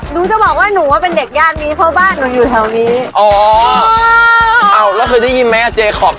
นุ้งจะบอกว่าหนูว่าเป็นเด็กญาตินี้เพราะบ้านหนูอยู่แถวนี้